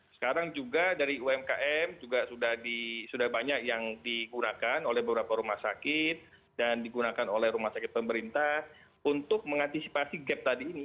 sekarang juga dari umkm juga sudah banyak yang digunakan oleh beberapa rumah sakit dan digunakan oleh rumah sakit pemerintah untuk mengantisipasi gap tadi ini